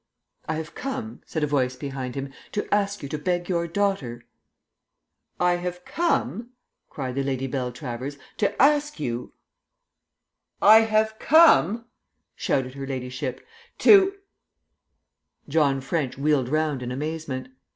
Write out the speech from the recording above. "I have come," said a voice behind him, "to ask you to beg your daughter "I HAVE COME," cried the Lady Beltravers, "TO ASK YOU "I HAVE COME," shouted her ladyship, "TO " John French wheeled round in amazement.